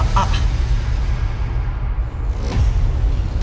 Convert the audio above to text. tapi putri o